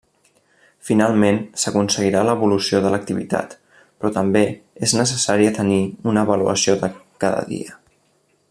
Finalment, s'aconseguirà l’evolució de l'activitat, però també és necessària tenir una avaluació de cada dia.